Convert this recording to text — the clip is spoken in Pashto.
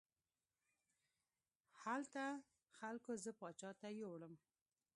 هلته خلکو زه پاچا ته یووړم.